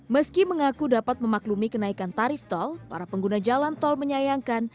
meski mengaku dapat memaklumi kenaikan tarif tol para pengguna jalan tol menyayangkan